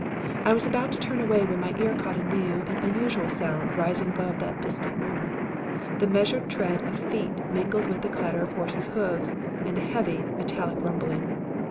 I was about to turn away when my ear caught a new and unusual sound rising above that distant murmur; the measured tread of feet mingling with the clatter of horses' hoofs and a heavy, metallic rumbling.